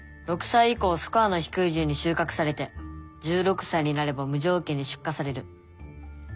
６歳以降スコアの低い順に収穫されて１６歳になれば無条件に出荷される。